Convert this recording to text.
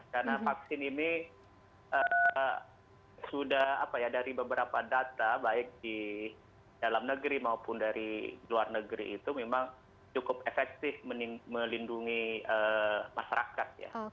karena vaksin ini sudah dari beberapa data baik di dalam negeri maupun dari luar negeri itu memang cukup efektif melindungi masyarakat ya